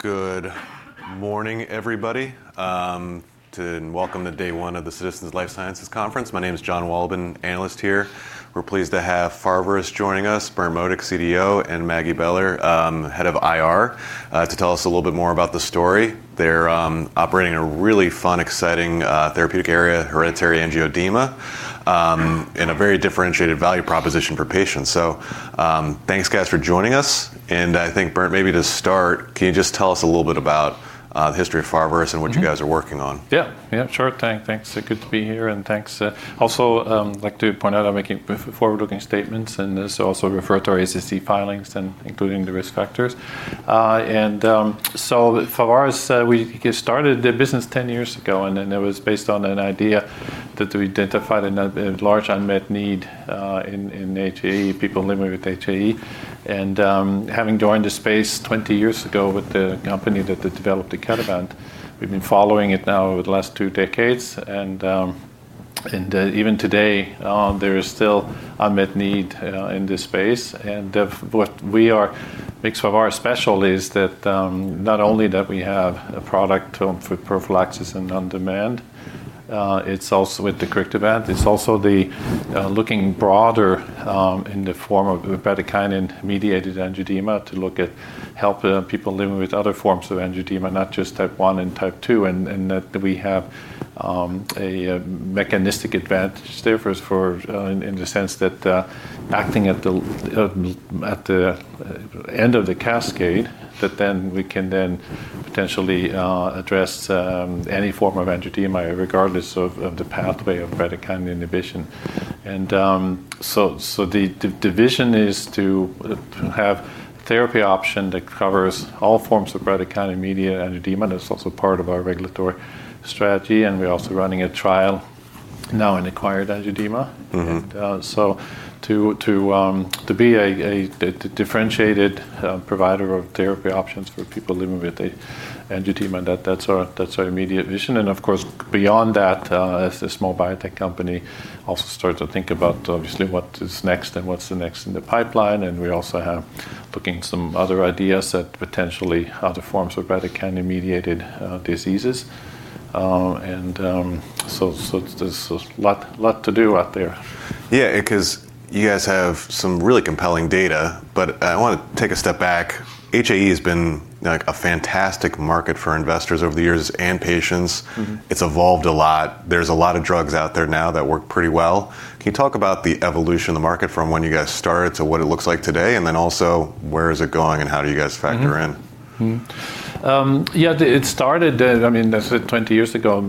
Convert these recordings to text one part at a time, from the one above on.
Good morning, everybody. Welcome to day one of the Citizens Life Sciences Conference. My name is Jon Wolleben, analyst here. We're pleased to have Pharvaris joining us, Berndt Modig, CEO, and Maggie Beller, head of IR, to tell us a little bit more about the story. They're operating in a really fun, exciting therapeutic area, hereditary angioedema, and a very differentiated value proposition for patients. Thanks guys for joining us, and I think Berndt, maybe to start, can you just tell us a little bit about the history of Pharvaris and what you guys are working on? Yeah. Yeah, sure thing. Thanks. Good to be here, and thanks. Also, like to point out I'm making forward-looking statements, and this also refers to our SEC filings, including the risk factors. Pharvaris, we started the business 10 years ago, and then it was based on an idea to identify the large unmet need in HAE, people living with HAE. Even today, there is still unmet need in this space. What makes Pharvaris special is that, not only that we have a product for prophylaxis and on-demand, it's also with icatibant. It's also looking broader in the form of bradykinin-mediated angioedema to look at helping people living with other forms of angioedema, not just type I and type II. That we have a mechanistic advantage there for in the sense that, acting at the end of the cascade, that we can potentially address any form of angioedema regardless of the pathway of bradykinin inhibition. The vision is to have therapy option that covers all forms of bradykinin-mediated angioedema. That's also part of our regulatory strategy, and we're also running a trial now in acquired angioedema. Mm-hmm. To be the differentiated provider of therapy options for people living with angioedema, that's our immediate vision. Of course, beyond that, as a small biotech company, we also start to think about obviously what is next and what's next in the pipeline. We also are looking at some other ideas for potentially other forms of bradykinin-mediated diseases. There's a lot to do out there. Yeah, 'cause you guys have some really compelling data, but I wanna take a step back. HAE has been, like, a fantastic market for investors over the years and patients. Mm-hmm. It's evolved a lot. There's a lot of drugs out there now that work pretty well. Can you talk about the evolution of the market from when you guys started to what it looks like today, and then also where is it going and how do you guys factor in? It started, I mean, as I said 20 years ago,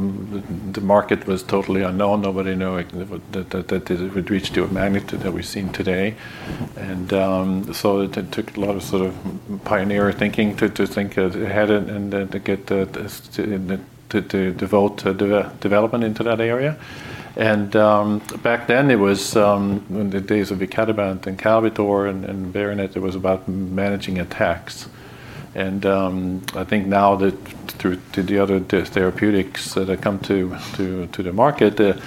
the market was totally unknown. Nobody knew it would reach the magnitude that we've seen today. It took a lot of sort of pioneer thinking to think ahead and to devote to development into that area. Back then, it was the days of icatibant and Kalbitor and Berinert, it was about managing attacks. I think now that through to the other therapeutics that have come to the market,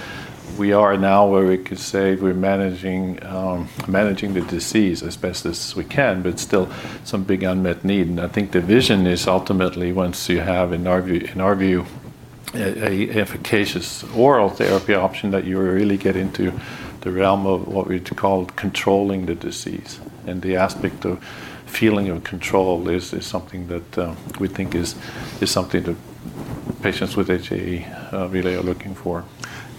we are now where we could say we're managing the disease as best as we can, but still some big unmet need. I think the vision is ultimately once you have in our view a efficacious oral therapy option that you really get into the realm of what we call controlling the disease. The aspect of feeling in control is something that we think is something that patients with HAE really are looking for.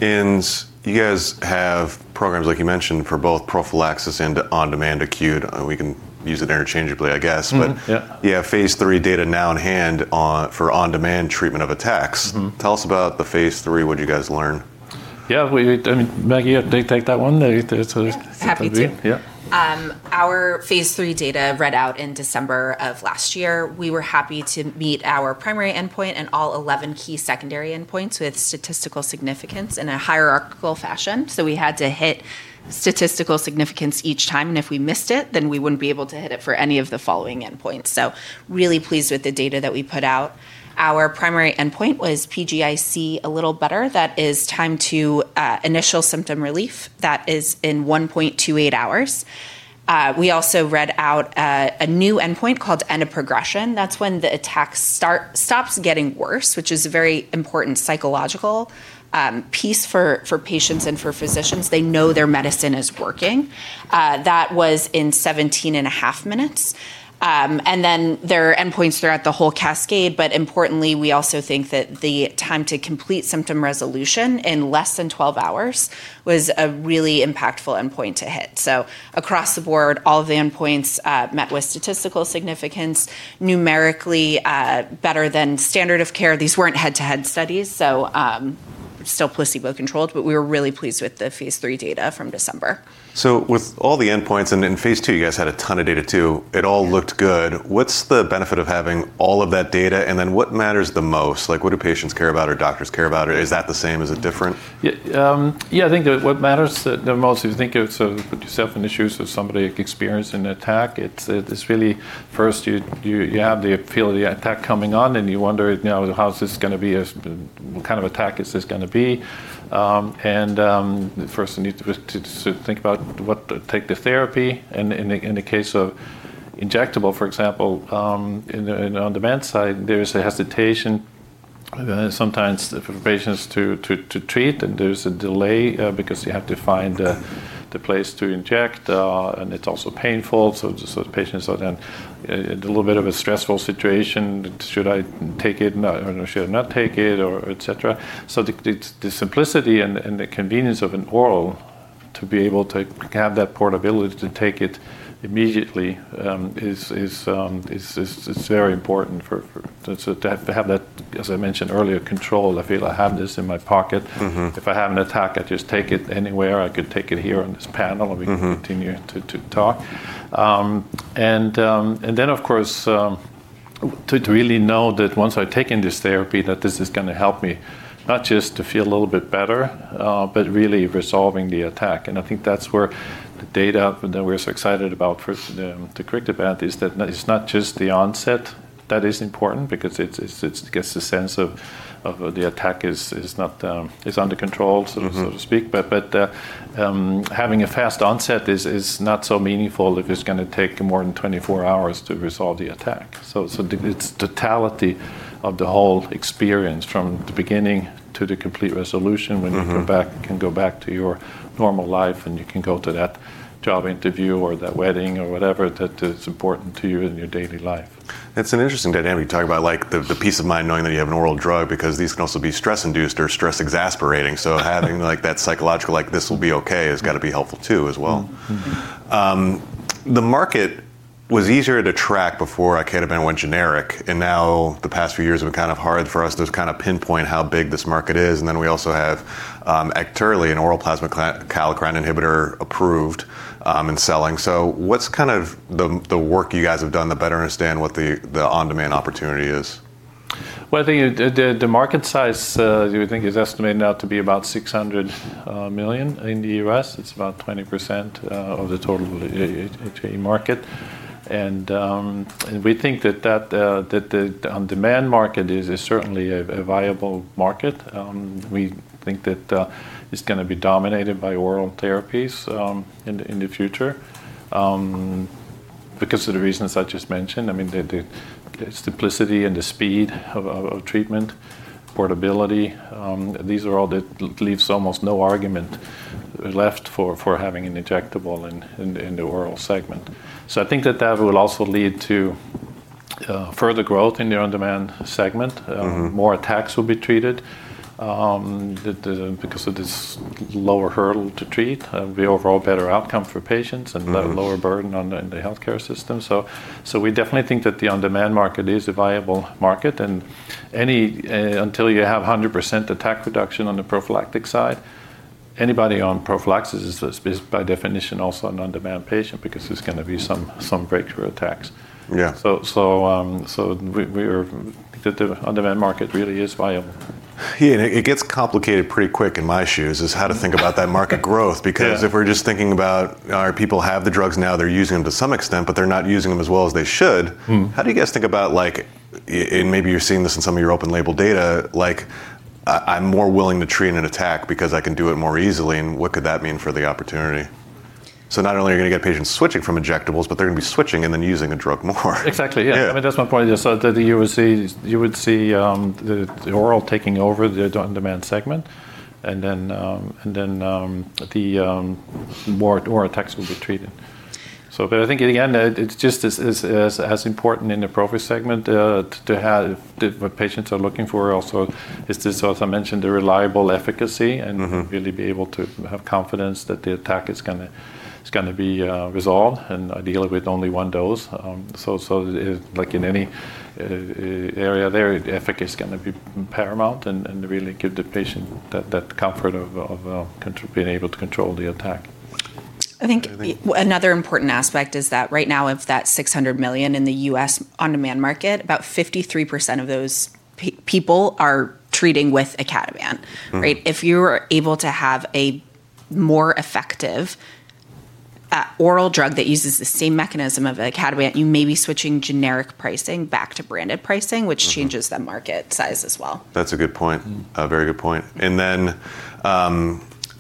You guys have programs, like you mentioned, for both prophylaxis and on-demand acute. We can use it interchangeably, I guess. Yeah. You have phase 3 data now in hand for on-demand treatment of attacks. Mm-hmm. Tell us about the phase 3, what you guys learned? I mean, Maggie, do you take that one? Yeah, happy to. Yeah. Our phase III data read out in December of last year. We were happy to meet our primary endpoint and all 11 key secondary endpoints with statistical significance in a hierarchical fashion. We had to hit statistical significance each time, and if we missed it, then we wouldn't be able to hit it for any of the following endpoints. Really pleased with the data that we put out. Our primary endpoint was PGI-C a little better. That is time to initial symptom relief. That is in 1.28 hours. We also read out a new endpoint called end of progression. That's when the attack stops getting worse, which is a very important psychological piece for patients and for physicians. They know their medicine is working. That was in 17.5 minutes. There are endpoints throughout the whole cascade, but importantly, we also think that the time to complete symptom resolution in less than 12 hours was a really impactful endpoint to hit. Across the board, all of the endpoints met with statistical significance, numerically better than standard of care. These weren't head-to-head studies, so still placebo-controlled, but we were really pleased with the phase III data from December. With all the endpoints, and in phase two, you guys had a ton of data too. It all looked good. What's the benefit of having all of that data? What matters the most? Like, what do patients care about or doctors care about? Is that the same? Is it different? Yeah. I think that what matters the most is think of sort of put yourself in the shoes of somebody experiencing an attack. It's really first you have the feel of the attack coming on and you wonder now how is this gonna be, what kind of attack is this gonna be? First need to think about take the therapy and in the case of injectable, for example, in the on-demand side, there's a hesitation and then sometimes for patients to treat and there's a delay because you have to find the place to inject and it's also painful, so the patients are then in a little bit of a stressful situation. Should I take it? Or should I not take it? Or et cetera. It's the simplicity and the convenience of an oral to be able to have that portability to take it immediately, is very important for to have that, as I mentioned earlier, control. I feel I have this in my pocket. Mm-hmm. If I have an attack, I just take it anywhere. I could take it here on this panel. Mm-hmm We can continue to talk. Then of course, to really know that once I've taken this therapy, that this is gonna help me, not just to feel a little bit better, but really resolving the attack. I think that's where the data that we're so excited about for the deucrictibant is that it's not just the onset that is important because it gets the sense of the attack is not under control so. Mm-hmm So to speak. Having a fast onset is not so meaningful if it's gonna take more than 24 hours to resolve the attack. The totality of the whole experience from the beginning to the complete resolution. Mm-hmm when you go back to your normal life, and you can go to that job interview or that wedding or whatever that is important to you in your daily life. It's an interesting dynamic you talk about, like, the peace of mind knowing that you have an oral drug because these can also be stress induced or stress exacerbating. Having, like, that psychological, like, this will be okay, has gotta be helpful too as well. Mm-hmm. Mm-hmm. The market was easier to track before icatibant went generic, and now the past few years have been kind of hard for us to kind of pinpoint how big this market is. We also have Orladeyo, an oral plasma kallikrein inhibitor approved and selling. What's kind of the work you guys have done to better understand what the on-demand opportunity is? Well, I think the market size we think is estimated now to be about $600 million in the US. It's about 20% of the total HAE market. We think that the on-demand market is certainly a viable market. We think that it's gonna be dominated by oral therapies in the future because of the reasons I just mentioned. I mean, the simplicity and the speed of treatment, portability, these are all that leaves almost no argument left for having an injectable in the oral segment. I think that that will also lead to further growth in the on-demand segment. Mm-hmm. More attacks will be treated because of this lower hurdle to treat, the overall better outcome for patients. Mm-hmm the lower burden in the healthcare system. We definitely think that the on-demand market is a viable market. Until you have 100% attack reduction on the prophylactic side, anybody on prophylaxis is, by definition, also an on-demand patient because there's gonna be some breakthrough attacks. Yeah. The on-demand market really is viable. Yeah, it gets complicated pretty quick in my shoes, is how to think about that market growth. Yeah. Because if we're just thinking about our people have the drugs now, they're using them to some extent, but they're not using them as well as they should. Mm. How do you guys think about, like, and maybe you're seeing this in some of your open label data, like, I'm more willing to treat an attack because I can do it more easily, and what could that mean for the opportunity? Not only are you gonna get patients switching from injectables, but they're gonna be switching and then using the drug more. Exactly, yeah. Yeah. I mean, that's my point. That you would see the oral taking over the on-demand segment, and then more oral attacks will be treated. I think again, it's just as important in the prophy segment to have what patients are looking for also is this, as I mentioned, the reliable efficacy. Mm-hmm Really be able to have confidence that the attack is gonna be resolved, and dealing with only one dose. Like in any area there, efficacy is gonna be paramount and really give the patient that comfort of being able to control the attack. I think. I think. Another important aspect is that right now, of that $600 million in the U.S. on-demand market, about 53% of those people are treating with icatibant. Mm. Right? If you're able to have a more effective oral drug that uses the same mechanism of icatibant, you may be switching generic pricing back to branded pricing. Mm-hmm which changes the market size as well. That's a good point. Mm. A very good point.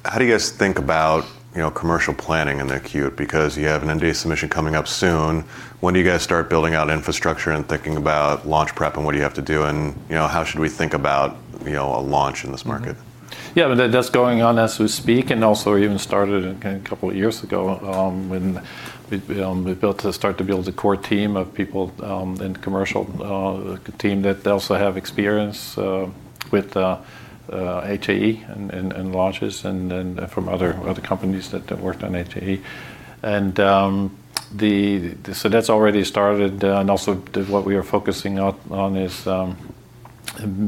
How do you guys think about, you know, commercial planning in the acute? Because you have an NDA submission coming up soon. When do you guys start building out infrastructure and thinking about launch prep and what do you have to do, and, you know, how should we think about, you know, a launch in this market? Mm-hmm. Yeah, that's going on as we speak. It also even started a couple of years ago, when we started to build the core team of people in the commercial team that they also have experience with HAE and launches and then from other companies that have worked on HAE. That's already started. What we are focusing on is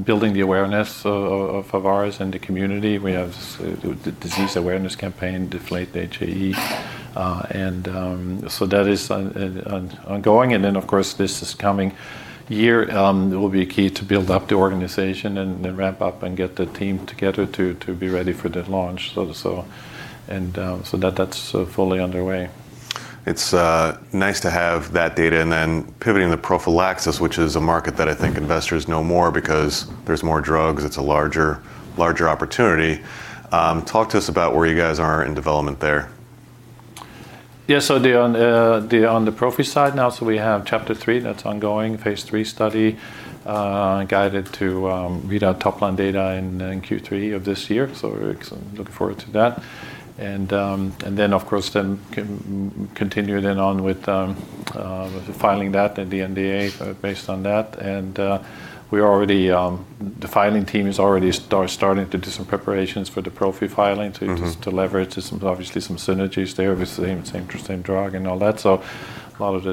building the awareness of Pharvaris in the community. We have the disease awareness campaign, Deflate HAE. That is ongoing. Of course, this coming year will be key to build up the organization and then ramp up and get the team together to be ready for the launch. That's fully underway. It's nice to have that data and then pivoting the prophylaxis, which is a market that I think investors know more because there's more drugs. It's a larger opportunity. Talk to us about where you guys are in development there. Yeah. On the PROPHY side now, we have CHAPTER-3 that's ongoing, phase III study, guided to read our top-line data in Q3 of this year. We're looking forward to that. Then, of course, continue then on with the filing that and the NDA based on that. We're already. The filing team is already starting to do some preparations for the PROPHY filing to- Mm-hmm Just to leverage to some obviously some synergies there with the same drug and all that. A lot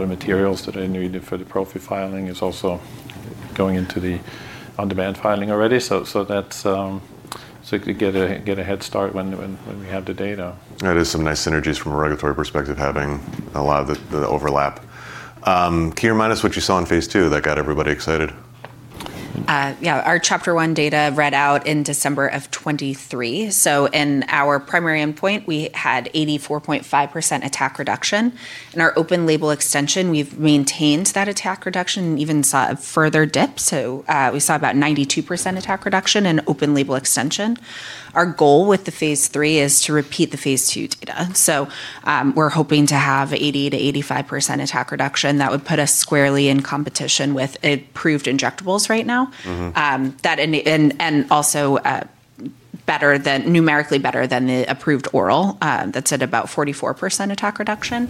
of materials that are needed for the PROPHY filing is also going into the on-demand filing already. That's so you could get a head start when we have the data. That is some nice synergies from a regulatory perspective, having a lot of the overlap. Can you remind us what you saw in phase II that got everybody excited? Yeah. Our CHAPTER-1 data read out in December of 2023. In our primary endpoint, we had 84.5% attack reduction. In our open label extension, we've maintained that attack reduction and even saw a further dip. We saw about 92% attack reduction in open label extension. Our goal with the phase III is to repeat the phase II data. We're hoping to have 80%-85% attack reduction. That would put us squarely in competition with approved injectables right now. Mm-hmm. Numerically better than the approved oral that's at about 44% attack reduction.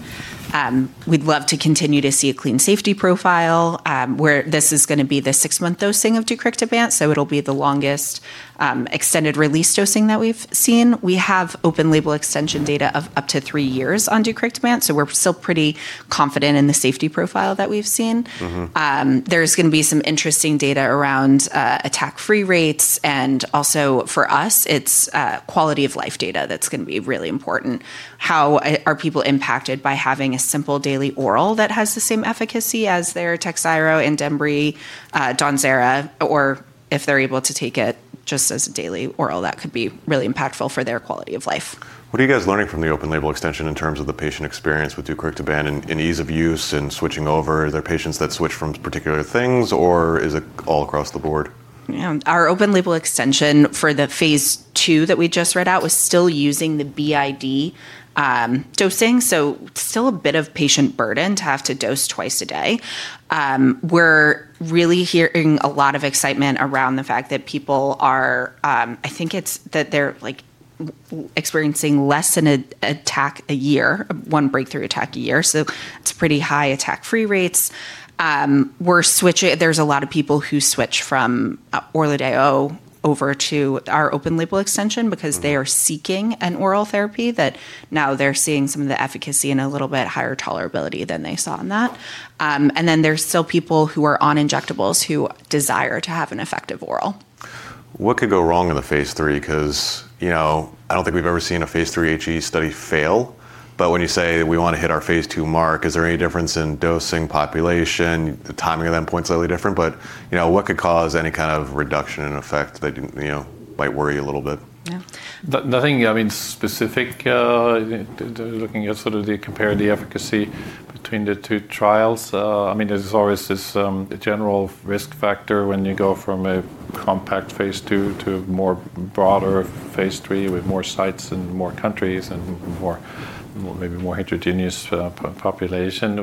We'd love to continue to see a clean safety profile, where this is gonna be the six-month dosing of deucrictibant, so it'll be the longest extended release dosing that we've seen. We have open label extension data of up to three years on deucrictibant, so we're still pretty confident in the safety profile that we've seen. Mm-hmm. There's gonna be some interesting data around attack-free rates, and also for us, it's quality of life data that's gonna be really important. How are people impacted by having a simple daily oral that has the same efficacy as their Takhzyro, Haegarda, Cinryze, or if they're able to take it just as a daily oral, that could be really impactful for their quality of life. What are you guys learning from the open label extension in terms of the patient experience with deucrictibant in ease of use and switching over? Are there patients that switch from particular things, or is it all across the board? Yeah. Our open label extension for the phase II that we just read out was still using the BID dosing, so still a bit of patient burden to have to dose twice a day. We're really hearing a lot of excitement around the fact that people are, I think it's that they're, like, experiencing less than an attack a year, one breakthrough attack a year, so it's pretty high attack-free rates. There's a lot of people who switch from Orladeyo over to our open label extension because they are seeking an oral therapy that now they're seeing some of the efficacy and a little bit higher tolerability than they saw in that. There's still people who are on injectables who desire to have an effective oral. What could go wrong in the phase III? 'Cause, you know, I don't think we've ever seen a phase III HAE study fail, but when you say, "We wanna hit our phase II mark," is there any difference in dosing population? The timing of the endpoint's slightly different, but, you know, what could cause any kind of reduction in effect that you know, might worry a little bit? Yeah. Nothing specific, I mean, looking at sort of compare the efficacy between the two trials. I mean, there's always this general risk factor when you go from a compact phase II to more broader phase III with more sites and more countries. Mm-hmm more, maybe more heterogeneous population.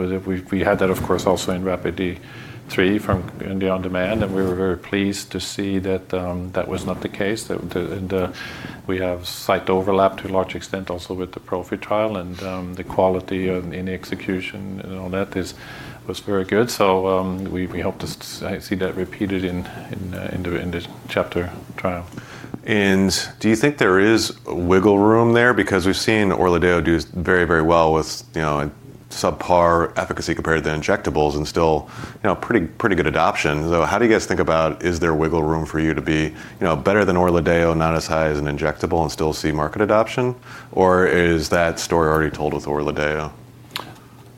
We had that, of course, also in RAPIDe-3 in the on-demand, and we were very pleased to see that that was not the case. We have site overlap to a large extent also with the PROPHET trial, and the quality of the execution and all that was very good. We hope to see that repeated in the CHAPTER-3 trial. Do you think there is wiggle room there? Because we've seen Orladeyo do very, very well with, you know, subpar efficacy compared to the injectables and still, you know, pretty good adoption. How do you guys think about is there wiggle room for you to be, you know, better than Orladeyo, not as high as an injectable and still see market adoption, or is that story already told with Orladeyo?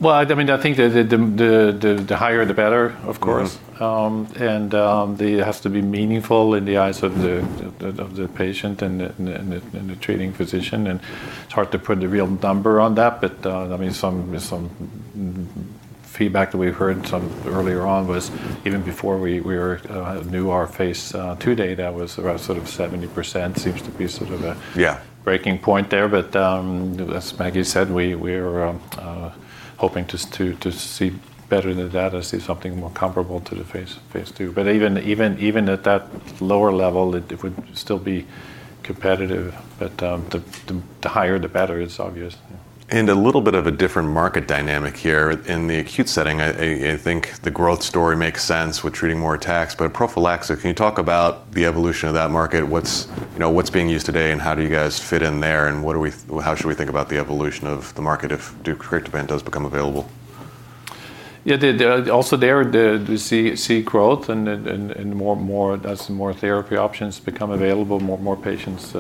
Well, I mean, I think the higher, the better, of course. Mm-hmm. It has to be meaningful in the eyes of the patient and the treating physician. It's hard to put a real number on that, but I mean, some feedback that we've heard earlier on was even before we knew our phase two data was around sort of 70% seems to be sort of a- Yeah breaking point there. As Maggie said, we're hoping to see better than that or see something more comparable to the phase two. Even at that lower level, it would still be competitive. The higher, the better, it's obvious. A little bit of a different market dynamic here. In the acute setting, I think the growth story makes sense with treating more attacks. Prophylactic, can you talk about the evolution of that market? What's, you know, being used today, and how do you guys fit in there, and how should we think about the evolution of the market if deucrictibant does become available? Yeah. We see growth and more as more therapy options become available, more patients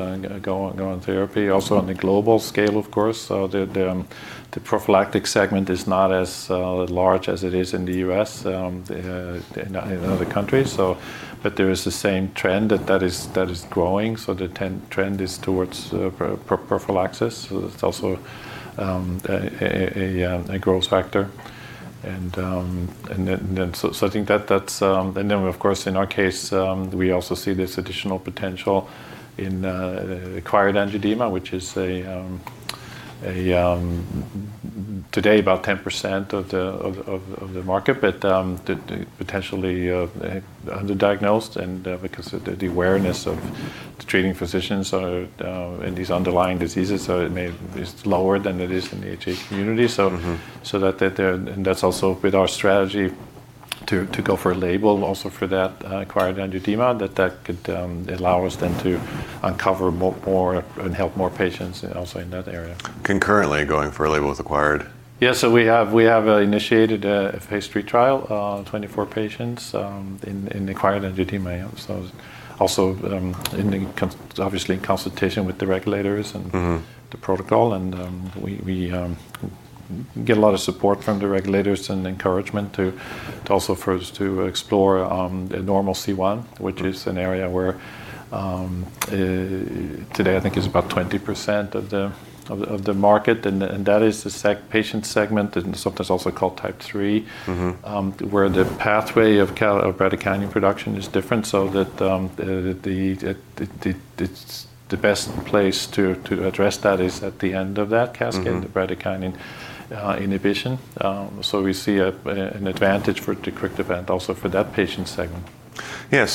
go on therapy. Also on the global scale, of course, the prophylactic segment is not as large as it is in the U.S., in other countries. But there is the same trend that is growing. The trend is towards prophylaxis. It's also a growth factor. I think that's. Of course, in our case, we also see this additional potential in acquired angioedema, which is today about 10% of the market, but potentially underdiagnosed because of the awareness of the treating physicians in these underlying diseases. So it may be lower than it is in the HAE community. Mm-hmm. That's also with our strategy to go for a label also for that acquired angioedema that could allow us then to uncover more and help more patients also in that area. Concurrently going for a label with acquired? Yeah. We have initiated a phase III trial, 24 patients, in acquired angioedema. Also, obviously in consultation with the regulators and Mm-hmm the protocol. We get a lot of support from the regulators and encouragement to also for us to explore normal C1. Mm-hmm which is an area where today I think is about 20% of the market. That is the patient segment, and sometimes also called type III. Mm-hmm. Where the pathway of bradykinin production is different. So that it's the best place to address that is at the end of that cascade. Mm-hmm... the bradykinin inhibition. We see an advantage for deucrictibant also for that patient segment. Yeah.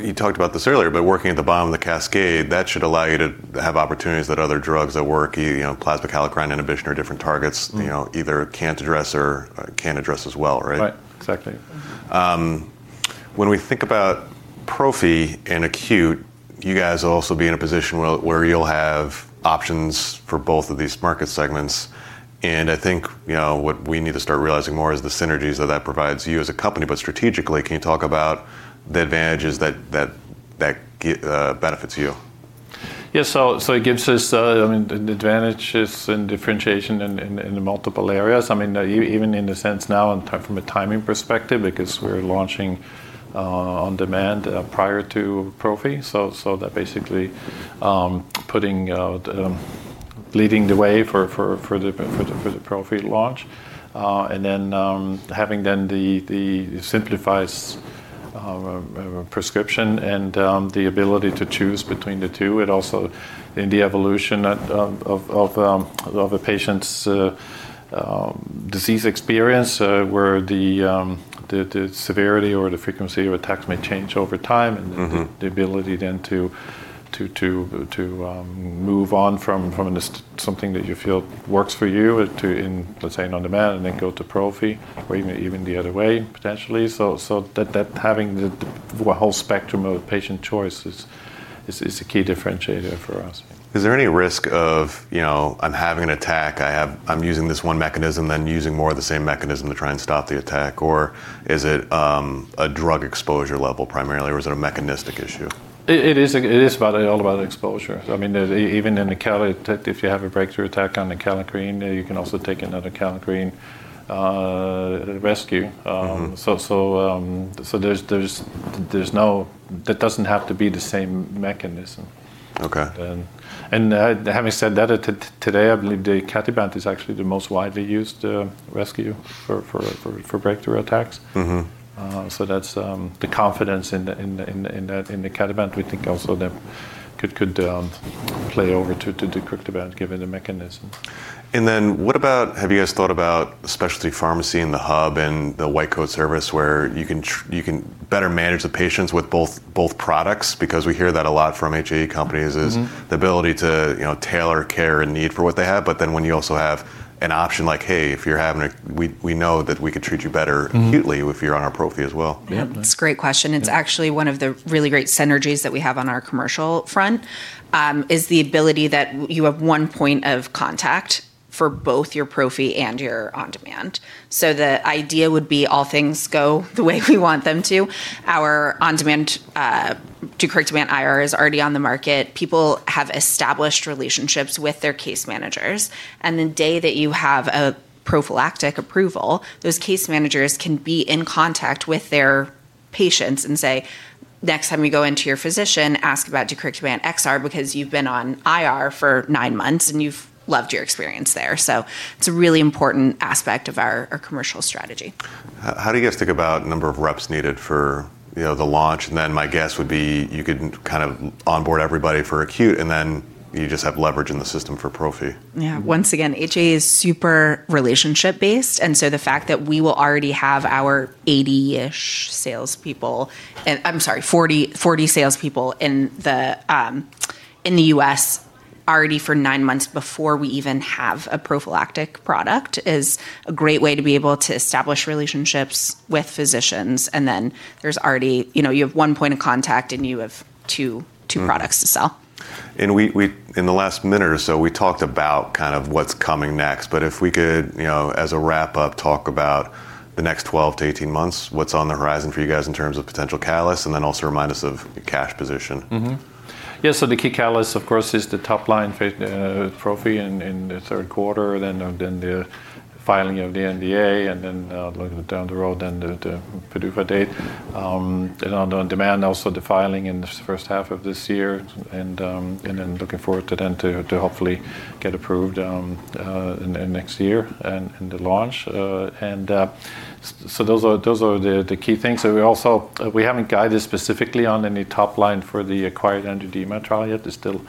You talked about this earlier, but working at the bottom of the cascade, that should allow you to have opportunities that other drugs that work, you know, plasma kallikrein inhibition or different targets. Mm-hmm You know, either can't address or can't address as well, right? Right. Exactly. When we think about prophy and acute, you guys will also be in a position where you'll have options for both of these market segments. I think, you know, what we need to start realizing more is the synergies that provides you as a company. Strategically, can you talk about the advantages that benefits you? It gives us, I mean, advantages and differentiation in the multiple areas. I mean, even in the sense now from a timing perspective because we're launching on-demand prior to prophy. That basically leading the way for the prophy launch. Having the simplified prescription and the ability to choose between the two. It also, in the evolution of a patient's disease experience, where the severity or the frequency of attacks may change over time. Mm-hmm. The ability then to move on from this something that you feel works for you to in, let's say, on-demand, and then go to prophy or even the other way potentially. That having the whole spectrum of patient choice is a key differentiator for us. Is there any risk of, you know, I'm having an attack, I'm using this one mechanism, then using more of the same mechanism to try and stop the attack? Or is it a drug exposure level primarily, or is it a mechanistic issue? It is all about exposure. I mean, even in the kallikrein, if you have a breakthrough attack on the kallikrein, you can also take another kallikrein rescue. Mm-hmm. That doesn't have to be the same mechanism. Okay. Having said that, today I believe icatibant is actually the most widely used rescue for breakthrough attacks. Mm-hmm. That's the confidence in the icatibant we think also that could play over to deucrictibant given the mechanism. What about the specialty pharmacy and the hub and the white coat service where you can better manage the patients with both products? Because we hear that a lot from HAE companies. Mm-hmm the ability to, you know, tailor care and need for what they have. When you also have an option like, hey, if you're having, we know that we could treat you better acutely. Mm-hmm If you're on our prophy as well. Yeah. That's a great question. Yeah. It's actually one of the really great synergies that we have on our commercial front, is the ability that you have one point of contact for both your prophy and your on-demand. The idea would be all things go the way we want them to. Our on-demand deucrictibant IR is already on the market. People have established relationships with their case managers, and the day that you have a prophylactic approval, those case managers can be in contact with their patients and say, "Next time you go into your physician, ask about deucrictibant XR because you've been on IR for nine months and you've loved your experience there." It's a really important aspect of our commercial strategy. How do you guys think about number of reps needed for, you know, the launch? Then my guess would be you could kind of onboard everybody for acute, and then you just have leverage in the system for prophy. Once again, HAE is super relationship based, and so the fact that we will already have our 40 salespeople in the US already for nine months before we even have a prophylactic product is a great way to be able to establish relationships with physicians. Then there's already. You know, you have one point of contact, and you have two products to sell. In the last minute or so, we talked about kind of what's coming next. If we could, you know, as a wrap-up, talk about the next 12-18 months, what's on the horizon for you guys in terms of potential catalysts, and then also remind us of the cash position. The key catalyst, of course, is the top-line prophy in the third quarter, then the filing of the NDA, and then down the road, the PDUFA date. On-demand also the filing in the first half of this year, and then looking forward to hopefully get approved in next year and the launch. Those are the key things. We also haven't guided specifically on any top-line for the acquired angioedema trial yet. It's still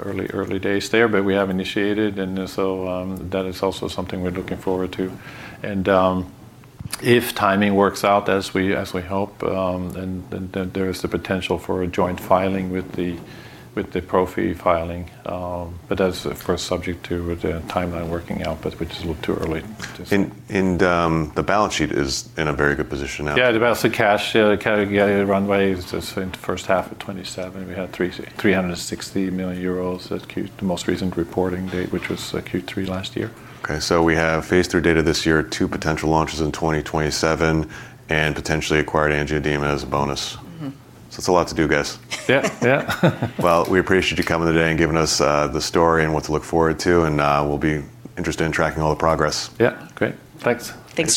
early days there, but we have initiated and so that is also something we're looking forward to. If timing works out as we hope, then there is the potential for a joint filing with the prophy filing. But that's of course subject to the timeline working out, but which is a little too early to say. The balance sheet is in a very good position now. Yeah. The balance of cash runway is just in the first half of 2027. We had 360 million euros at Q3, the most recent reporting date, which was Q3 last year. We have phase III data this year, two potential launches in 2027, and potentially acquired angioedema as a bonus. Mm-hmm. It's a lot to do, guys. Yeah. Yeah. Well, we appreciate you coming today and giving us the story and what to look forward to, and we'll be interested in tracking all the progress. Yeah. Great. Thanks. Thank you.